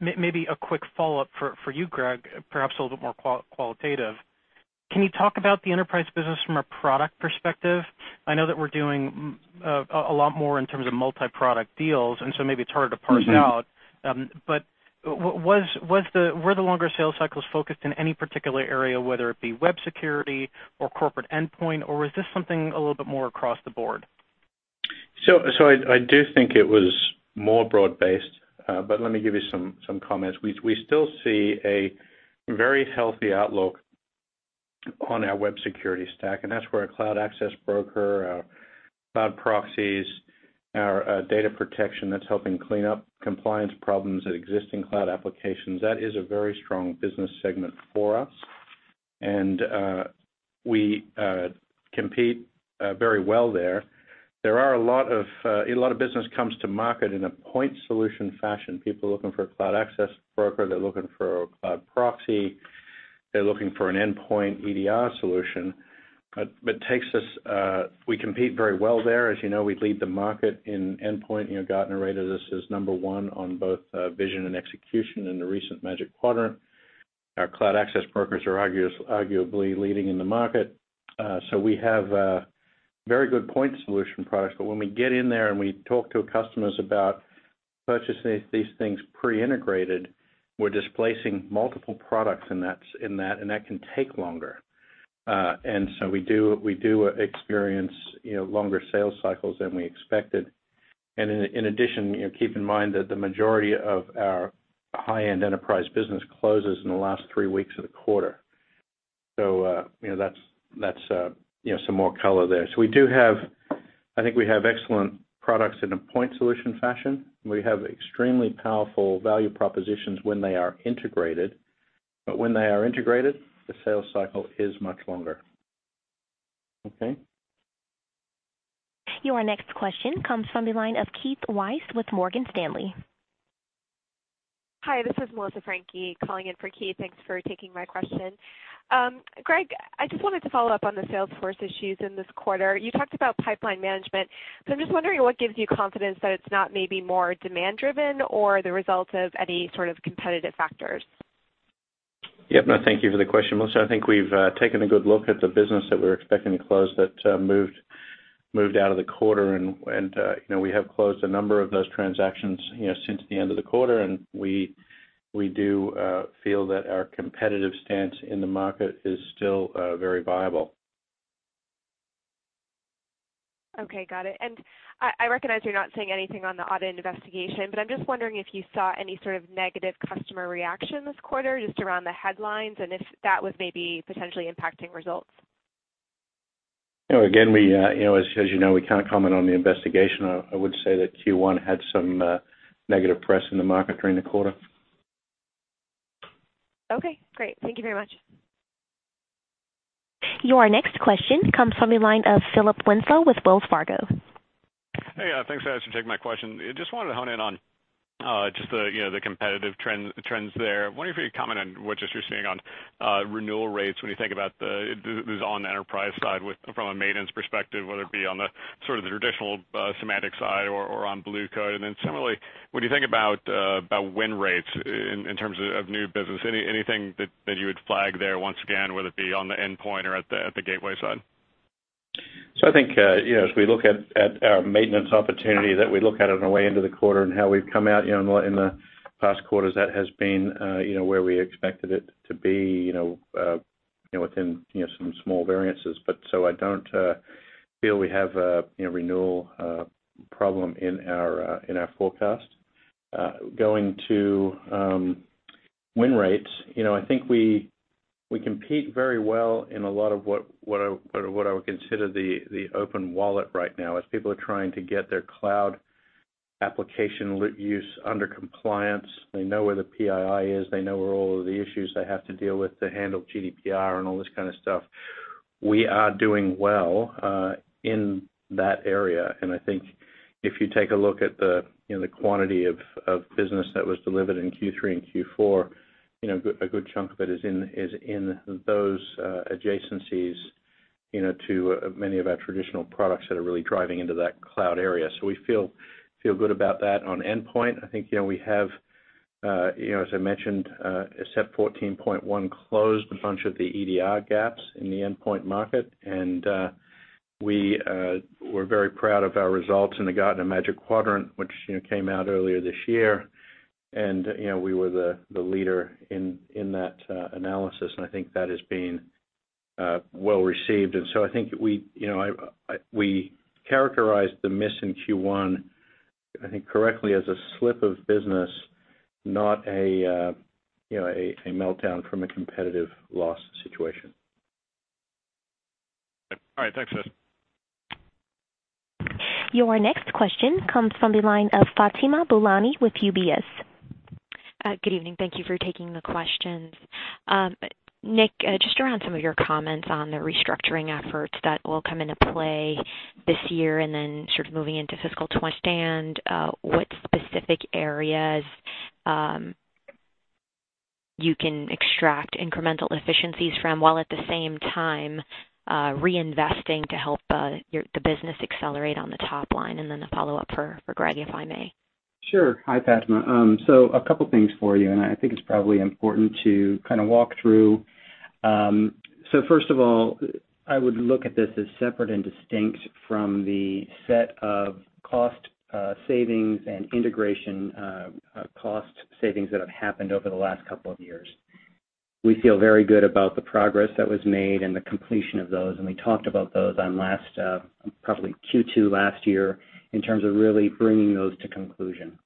Maybe a quick follow-up for you, Greg, perhaps a little bit more qualitative. Can you talk about the enterprise business from a product perspective? I know that we're doing a lot more in terms of multi-product deals. Maybe it's harder to parse out. Were the longer sales cycles focused in any particular area, whether it be web security or corporate endpoint, or was this something a little bit more across the board? I do think it was more broad-based, but let me give you some comments. We still see a very healthy outlook on our web security stack. That's where our cloud access broker, our cloud proxies, our data protection that's helping clean up compliance problems at existing cloud applications. That is a very strong business segment for us. We compete very well there. A lot of business comes to market in a point solution fashion. People are looking for a cloud access broker. They're looking for a cloud proxy. They're looking for an endpoint EDR solution. We compete very well there. As you know, we lead the market in endpoint. Gartner rated us as number one on both vision and execution in the recent Magic Quadrant. Our cloud access brokers are arguably leading in the market. We have very good point solution products, but when we get in there, and we talk to customers about purchasing these things pre-integrated, we're displacing multiple products in that, and that can take longer. We do experience longer sales cycles than we expected. In addition, keep in mind that the majority of our high-end enterprise business closes in the last three weeks of the quarter. That's some more color there. I think we have excellent products in a point solution fashion. We have extremely powerful value propositions when they are integrated. When they are integrated, the sales cycle is much longer. Okay? Your next question comes from the line of Keith Weiss with Morgan Stanley. Hi, this is Melissa Franchi calling in for Keith. Thanks for taking my question. Greg, I just wanted to follow up on the sales force issues in this quarter. You talked about pipeline management. I'm just wondering what gives you confidence that it's not maybe more demand-driven or the result of any sort of competitive factors. Yep. No, thank you for the question, Melissa. I think we've taken a good look at the business that we were expecting to close that moved out of the quarter, and we have closed a number of those transactions since the end of the quarter, and we do feel that our competitive stance in the market is still very viable. Okay, got it. I recognize you're not saying anything on the audit investigation, I'm just wondering if you saw any sort of negative customer reaction this quarter just around the headlines, and if that was maybe potentially impacting results. Again, as you know, we can't comment on the investigation. I would say that Q1 had some negative press in the market during the quarter. Okay, great. Thank you very much. Your next question comes from the line of Philip Winslow with Wells Fargo. Hey, thanks for taking my question. Just wanted to hone in on Just the competitive trends there. Wonder if you could comment on what you're seeing on renewal rates when you think about this is on the enterprise side from a maintenance perspective, whether it be on the traditional Symantec side or on Blue Coat. Similarly, when you think about win rates in terms of new business, anything that you would flag there once again, whether it be on the endpoint or at the gateway side? I think as we look at our maintenance opportunity that we look at on our way into the quarter and how we've come out in the past quarters, that has been where we expected it to be, within some small variances. I don't feel we have a renewal problem in our forecast. Going to win rates, I think we compete very well in a lot of what I would consider the open wallet right now, as people are trying to get their cloud application use under compliance. They know where the PII is, they know where all of the issues they have to deal with to handle GDPR and all this kind of stuff. We are doing well in that area, I think if you take a look at the quantity of business that was delivered in Q3 and Q4, a good chunk of it is in those adjacencies to many of our traditional products that are really driving into that cloud area. We feel good about that. On endpoint, I think we have, as I mentioned, SEP 14.1 closed a bunch of the EDR gaps in the endpoint market, and we're very proud of our results and it got in a Magic Quadrant, which came out earlier this year. We were the leader in that analysis, and I think that has been well-received. I think we characterized the miss in Q1, I think, correctly, as a slip of business, not a meltdown from a competitive loss situation. All right. Thanks, guys. Your next question comes from the line of Fatima Boolani with UBS. Good evening. Thank you for taking the questions. Nick, just around some of your comments on the restructuring efforts that will come into play this year, then sort of moving into fiscal 20-- understand what specific areas you can extract incremental efficiencies from, while at the same time, reinvesting to help the business accelerate on the top line. A follow-up for Greg, if I may. Sure. Hi, Fatima. A couple of things for you, and I think it's probably important to kind of walk through. First of all, I would look at this as separate and distinct from the set of cost savings and integration cost savings that have happened over the last couple of years. We feel very good about the progress that was made and the completion of those, and we talked about those on last, probably Q2 last year, in terms of really bringing those to conclusion.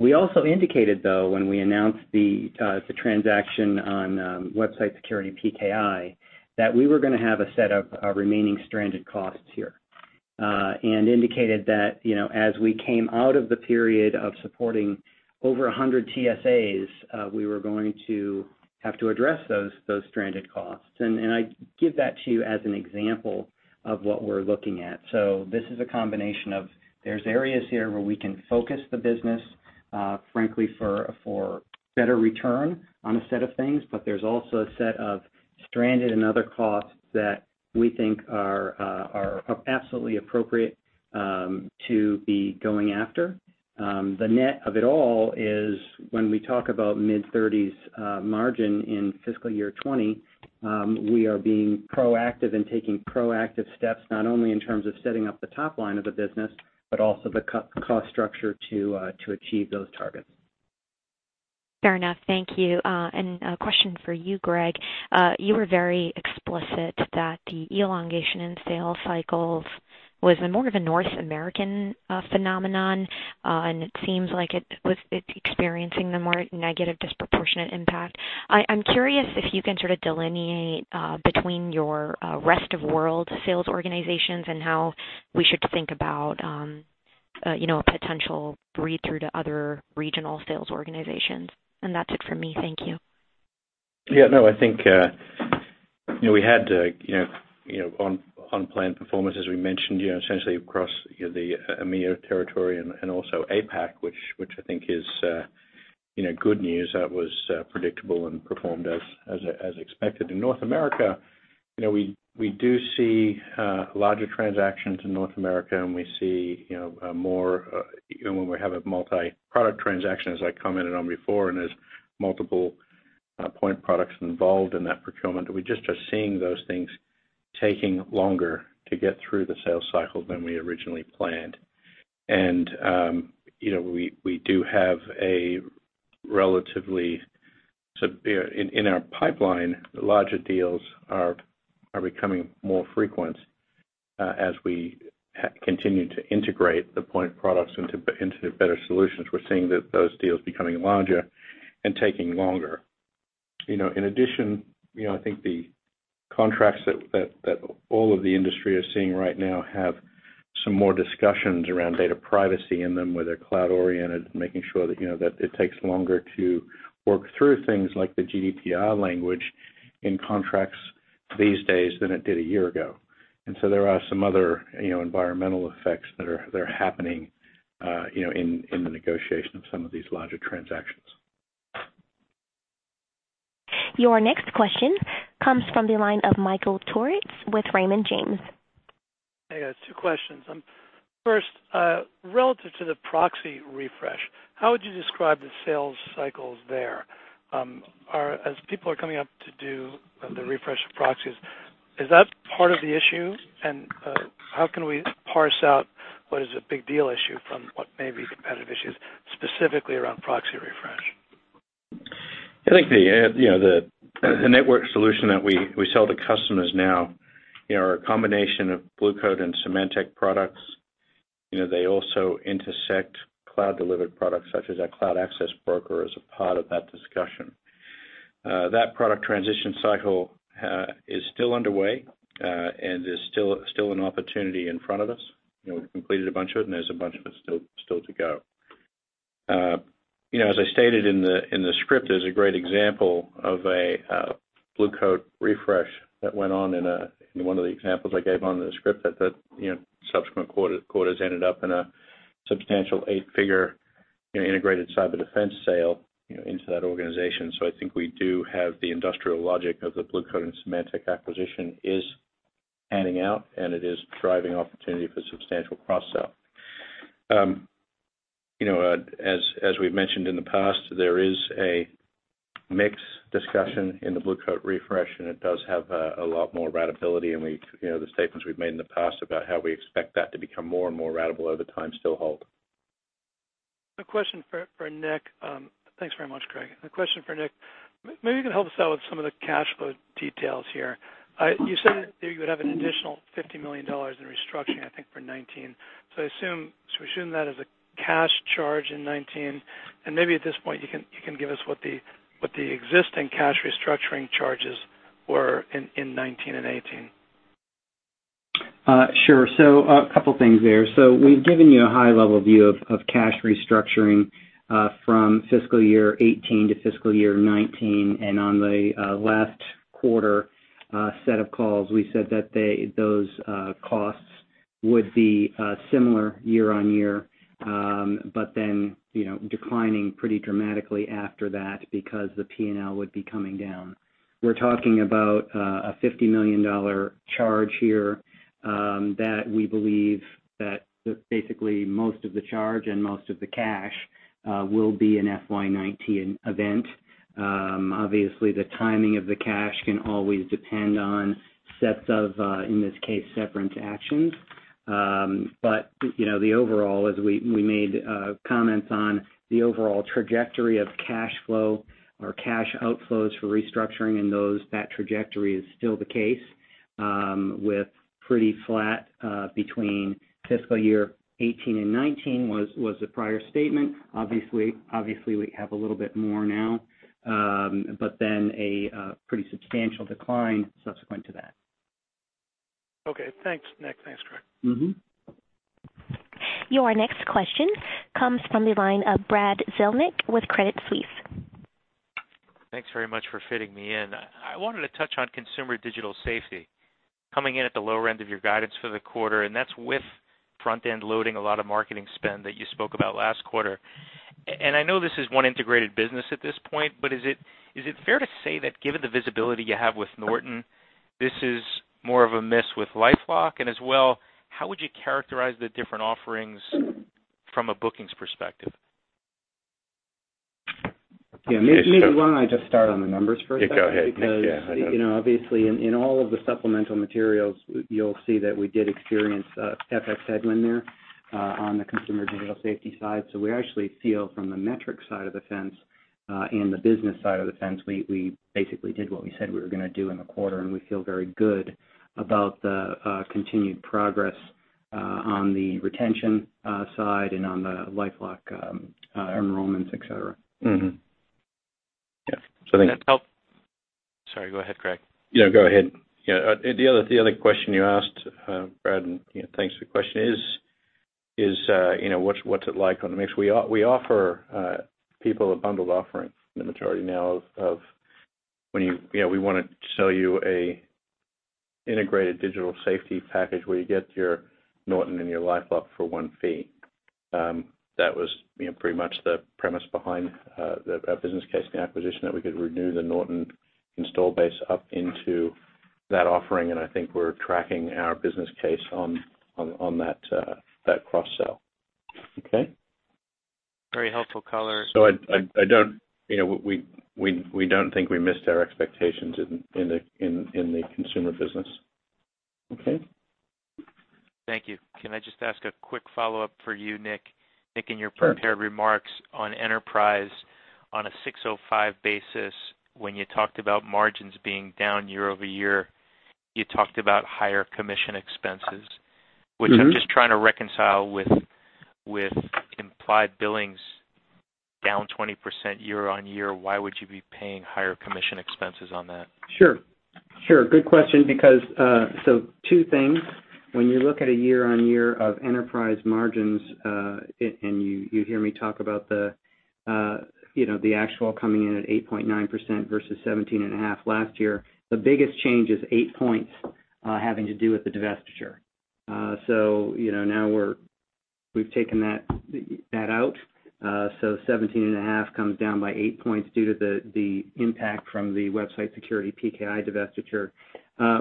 We also indicated, though, when we announced the transaction on Website Security PKI, that we were going to have a set of remaining stranded costs here. Indicated that as we came out of the period of supporting over 100 TSAs, we were going to have to address those stranded costs. I give that to you as an example of what we're looking at. This is a combination of, there's areas here where we can focus the business, frankly, for better return on a set of things, but there's also a set of stranded and other costs that we think are absolutely appropriate to be going after. The net of it all is when we talk about mid-thirties margin in fiscal year 2020, we are being proactive and taking proactive steps, not only in terms of setting up the top line of the business, but also the cost structure to achieve those targets. Fair enough. Thank you. A question for you, Greg. You were very explicit that the elongation in sales cycles was more of a North American phenomenon, and it seems like it was experiencing the more negative disproportionate impact. I am curious if you can sort of delineate between your rest-of-world sales organizations and how we should think about a potential read-through to other regional sales organizations. That's it for me. Thank you. I think we had on-plan performance, as we mentioned, essentially across the EMEA territory and also APAC, which I think is good news. That was predictable and performed as expected. In North America, we do see larger transactions in North America. When we have a multi-product transaction, as I commented on before, there's multiple Point products involved in that procurement. We're just seeing those things taking longer to get through the sales cycle than we originally planned. We do have a relatively in our pipeline, larger deals are becoming more frequent as we continue to integrate the Point products into better solutions. We're seeing those deals becoming larger and taking longer. In addition, I think the contracts that all of the industry are seeing right now have some more discussions around data privacy in them, where they're cloud-oriented, making sure that it takes longer to work through things like the GDPR language in contracts these days than it did a year ago. There are some other environmental effects that are happening in the negotiation of some of these larger transactions. Your next question comes from the line of Michael Turits with Raymond James. Hey, guys. Two questions. First, relative to the proxy refresh, how would you describe the sales cycles there? As people are coming up to do the refresh of proxies, is that part of the issue, and how can we parse out what is a big deal issue from what may be competitive issues, specifically around proxy refresh? I think the network solution that we sell to customers now are a combination of Blue Coat and Symantec products. They also intersect cloud-delivered products such as our cloud access broker as a part of that discussion. That product transition cycle is still underway, and is still an opportunity in front of us. We've completed a bunch of it, and there's a bunch of it still to go. As I stated in the script, there's a great example of a Blue Coat refresh that went on in one of the examples I gave on the script that subsequent quarters ended up in a substantial eight-figure integrated cyber defense sale into that organization. I think we do have the industrial logic of the Blue Coat and Symantec acquisition is panning out, and it is driving opportunity for substantial cross-sell. As we've mentioned in the past, there is a mix discussion in the Blue Coat refresh, and it does have a lot more ratability. The statements we've made in the past about how we expect that to become more and more ratable over time still hold. A question for Nick. Thanks very much, Greg. A question for Nick. Maybe you can help us out with some of the cash flow details here. You said that you would have an additional $50 million in restructuring, I think, for 2019. Should we assume that as a cash charge in 2019? Maybe at this point, you can give us what the existing cash restructuring charges were in 2019 and 2018. Sure. A couple things there. We've given you a high-level view of cash restructuring from fiscal year 2018 to fiscal year 2019. On the last quarter set of calls, we said that those costs would be similar year-over-year, declining pretty dramatically after that because the P&L would be coming down. We're talking about a $50 million charge here that we believe that basically most of the charge and most of the cash will be an FY 2019 event. Obviously, the timing of the cash can always depend on sets of, in this case, separate actions. The overall, as we made comments on the overall trajectory of cash flow or cash outflows for restructuring and those, that trajectory is still the case, with pretty flat between fiscal year 2018 and 2019 was the prior statement. Obviously, we have a little bit more now. A pretty substantial decline subsequent to that. Okay, thanks, Nick. Thanks, Greg. Your next question comes from the line of Brad Zelnick with Credit Suisse. Thanks very much for fitting me in. I wanted to touch on Consumer Digital Safety. Coming in at the lower end of your guidance for the quarter, that's with front-end loading a lot of marketing spend that you spoke about last quarter. I know this is one integrated business at this point, is it fair to say that given the visibility you have with Norton, this is more of a miss with LifeLock? As well, how would you characterize the different offerings from a bookings perspective? Yeah, maybe why don't I just start on the numbers for a second? Yeah, go ahead, Nick. Yeah. Obviously, in all of the supplemental materials, you'll see that we did experience FX headwind there on the Consumer Digital Safety side. We actually feel, from the metrics side of the fence and the business side of the fence, we basically did what we said we were going to do in the quarter, and we feel very good about the continued progress on the retention side and on the LifeLock enrollments, et cetera. Mm-hmm. Yeah. Sorry, go ahead, Greg. Yeah, go ahead. Yeah, the other question you asked, Brad, and thanks for the question, is what's it like on the mix? We offer people a bundled offering in the majority now of when we want to sell you an integrated digital safety package where you get your Norton and your LifeLock for one fee. That was pretty much the premise behind the business case and the acquisition, that we could renew the Norton install base up into that offering, and I think we're tracking our business case on that cross-sell. Okay? Very helpful color. We don't think we missed our expectations in the consumer business. Okay? Thank you. Can I just ask a quick follow-up for you, Nick? Nick. Sure Your prepared remarks on enterprise on a 605 basis, when you talked about margins being down year-over-year, you talked about higher commission expenses. I'm just trying to reconcile with implied billings down 20% year-on-year. Why would you be paying higher commission expenses on that? Sure. Sure. Good question because, two things. When you look at a year-on-year of enterprise margins, and you hear me talk about the actual coming in at 8.9% versus 17.5% last year, the biggest change is eight points having to do with the divestiture. Now we've taken that out. 17.5% comes down by eight points due to the impact from the Website Security PKI divestiture.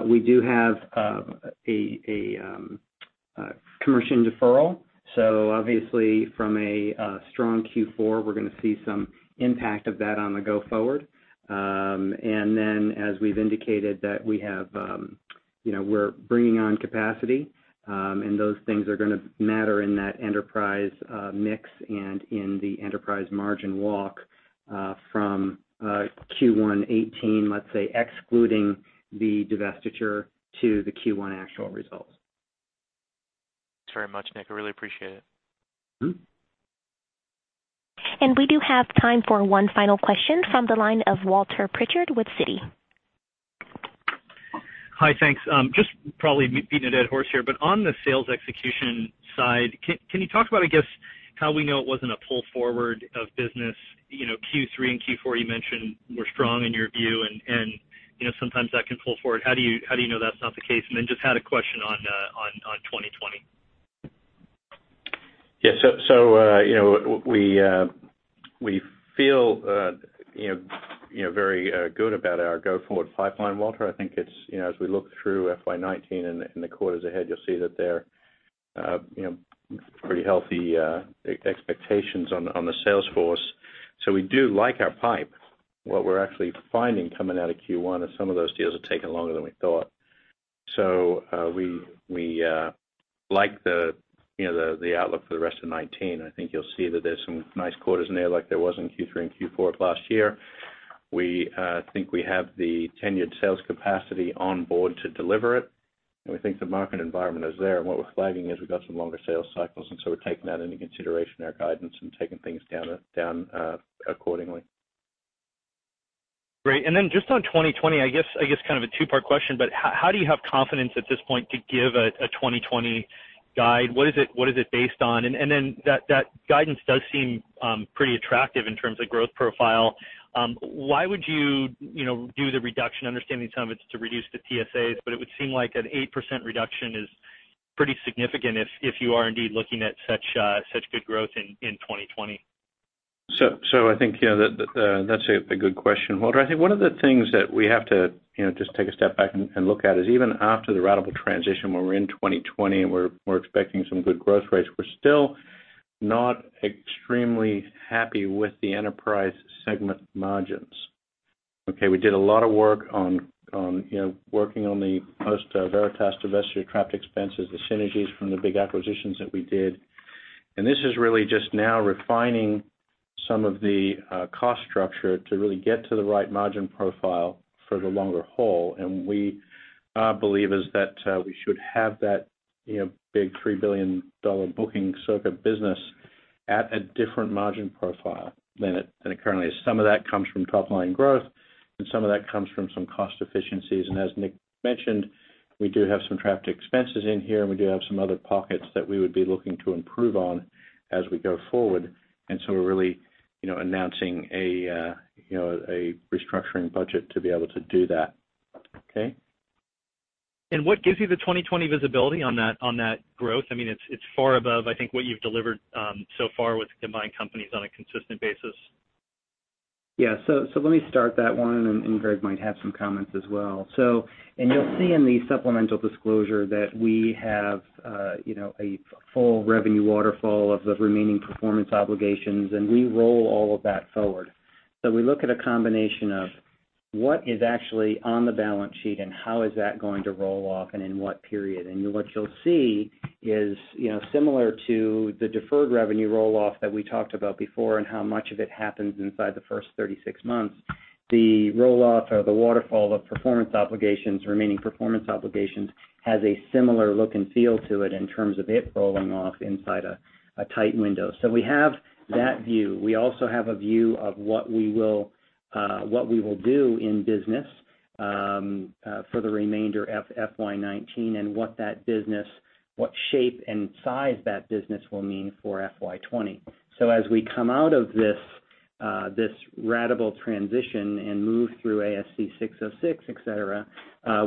We do have a commercial deferral. Obviously from a strong Q4, we're going to see some impact of that on the go forward. Then as we've indicated that we're bringing on capacity, those things are going to matter in that enterprise mix and in the enterprise margin walk from Q1 2018, let's say, excluding the divestiture to the Q1 actual results. Thanks very much, Nick. I really appreciate it. We do have time for one final question from the line of Walter Pritchard with Citi. Hi, thanks. Just probably beating a dead horse here, but on the sales execution side, can you talk about, I guess, how we know it wasn't a pull forward of business? Q3 and Q4, you mentioned, were strong in your view, and sometimes that can pull forward. How do you know that's not the case? Just had a question on 2020. Yes. We feel very good about our go-forward pipeline, Walter. I think as we look through FY 2019 and the quarters ahead, you'll see that there are pretty healthy expectations on the sales force. We do like our pipe. What we're actually finding coming out of Q1 is some of those deals are taking longer than we thought. We like the outlook for the rest of 2019. I think you'll see that there's some nice quarters in there like there was in Q3 and Q4 of last year. We think we have the tenured sales capacity on board to deliver it, and we think the market environment is there, and what we're flagging is we've got some longer sales cycles, we're taking that into consideration in our guidance and taking things down accordingly. Great. Just on 2020, I guess kind of a two-part question, how do you have confidence at this point to give a 2020 guide? What is it based on? That guidance does seem pretty attractive in terms of growth profile. Why would you do the reduction, understanding some of it's to reduce the TSAs, but it would seem like an 8% reduction is pretty significant if you are indeed looking at such good growth in 2020. I think that's a good question, Walter. I think one of the things that we have to just take a step back and look at is even after the ratable transition when we're in 2020 and we're expecting some good growth rates, we're still not extremely happy with the enterprise segment margins. Okay, we did a lot of work on working on the post-Veritas divestiture, trapped expenses, the synergies from the big acquisitions that we did. This is really just now refining some of the cost structure to really get to the right margin profile for the longer haul, and we believe is that we should have that big $3 billion booking circuit business at a different margin profile than it currently is. Some of that comes from top-line growth, and some of that comes from some cost efficiencies. As Nick mentioned, we do have some trapped expenses in here, and we do have some other pockets that we would be looking to improve on as we go forward, and so we're really announcing a restructuring budget to be able to do that. Okay? What gives you the 2020 visibility on that growth? It's far above, I think, what you've delivered so far with combined companies on a consistent basis. Yeah. Let me start that one, and Greg might have some comments as well. You'll see in the supplemental disclosure that we have a full revenue waterfall of the remaining performance obligations, and we roll all of that forward. We look at a combination of what is actually on the balance sheet and how is that going to roll off and in what period. What you'll see is similar to the deferred revenue roll-off that we talked about before and how much of it happens inside the first 36 months, the roll-off or the waterfall of performance obligations, remaining performance obligations, has a similar look and feel to it in terms of it rolling off inside a tight window. We have that view. We also have a view of what we will do in business for the remainder of FY 2019 and what shape and size that business will mean for FY 2020. As we come out of this ratable transition and move through ASC 606, et cetera,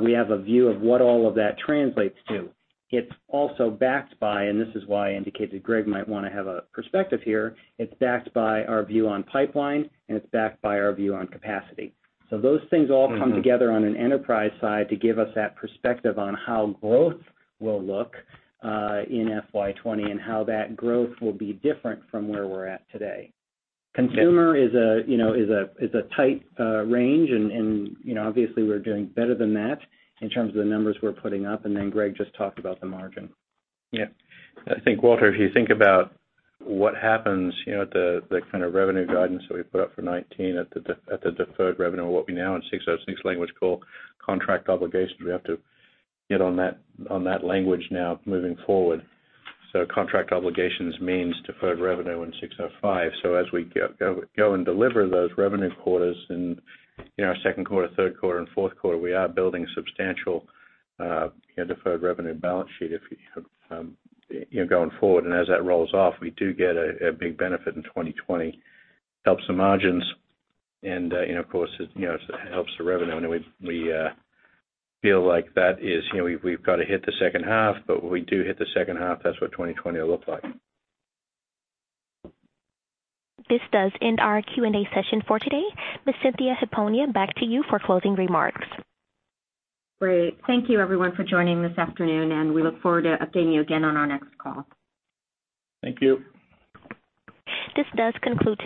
we have a view of what all of that translates to. It's also backed by, and this is why I indicated Greg might want to have a perspective here, it's backed by our view on pipeline, and it's backed by our view on capacity. Those things all come together on an enterprise side to give us that perspective on how growth will look in FY 2020 and how that growth will be different from where we're at today. Consumer is a tight range. Obviously, we're doing better than that in terms of the numbers we're putting up. Greg just talked about the margin. Yeah. I think, Walter, if you think about what happens, the kind of revenue guidance that we put up for 2019 at the deferred revenue, what we now in 606 language call contract obligations. We have to get on that language now moving forward. Contract obligations means deferred revenue in 605. As we go and deliver those revenue quarters in our second quarter, third quarter, and fourth quarter, we are building substantial deferred revenue balance sheet going forward. As that rolls off, we do get a big benefit in 2020. Helps the margins and, of course, it helps the revenue, and we feel like we've got to hit the second half, but when we do hit the second half, that's what 2020 will look like. This does end our Q&A session for today. Ms. Cynthia Hiponia, back to you for closing remarks. Great. Thank you everyone for joining this afternoon. We look forward to updating you again on our next call. Thank you. This does conclude today